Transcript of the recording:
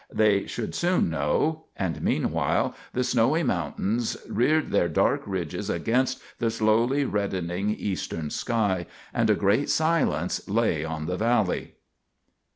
They should soon know; and meanwhile the snowy mountains reared their dark ridges against the slowly reddening eastern sky, and a great silence lay on the valley.